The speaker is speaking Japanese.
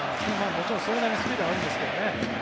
もちろん、それなりにスピードはありますが。